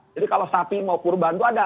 jadi kalau sapi mau kurban itu ada